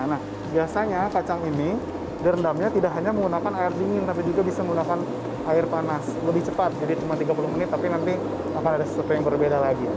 nah biasanya kacang ini direndamnya tidak hanya menggunakan air dingin tapi juga bisa menggunakan air panas lebih cepat jadi cuma tiga puluh menit tapi nanti akan ada sesuatu yang berbeda lagi